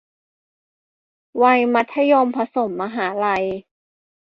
วัยมัธยมผสมมหาลัย